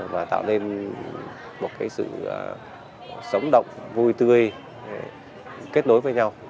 và tạo nên một sự sống động vui tươi kết nối với nhau